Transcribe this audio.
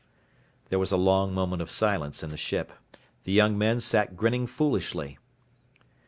There was a long moment of silence in the ship. The young men sat grinning foolishly.